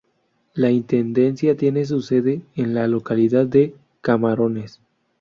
La intendencia tiene su sede en la localidad de Camarones.